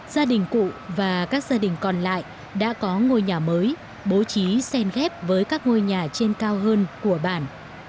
gia đình cụ và các gia đình còn lại đã có ngôi nhà mới bố trí sen ghép với các ngôi nhà trên cao hơn của bản